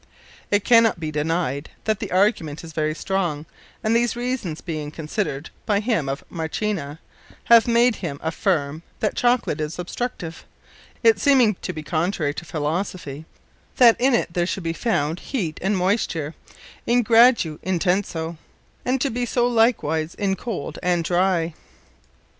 _ It cannot be denyed, but that the Argument is very strong, and these reasons being considered by him of Marchena, have made him affirme, that Chocolate is Obstructive; it seeming to be contrary to Philosophy, that in it there should be found Heat and Moysture, in gradu intenso; and to be so likewise in Cold and Dry.